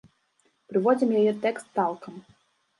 Прыводзім яе тэкст цалкам.